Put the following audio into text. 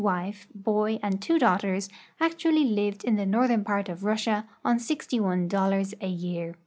wife, boy, and two daughters, actually lived in the northern part of Russia on sixty one dollars a year."